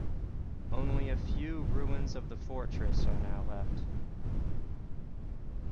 Only a few ruins of the fortress are now left.